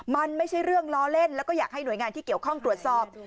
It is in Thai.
มันไม่ใช่เรื่องล้อเล่นแล้วก็อยากให้หน่วยงานที่เกี่ยวข้องตรวจสอบ